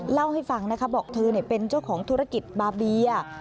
เล่าให้ฟังนะคะบอกเธอเป็นเจ้าของธุรกิจบาเบีย